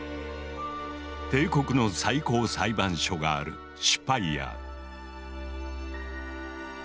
帝国の最高裁判所があるシュパイヤー。